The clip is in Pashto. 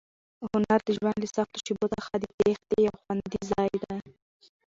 هنر د ژوند له سختو شېبو څخه د تېښتې یو خوندي ځای دی.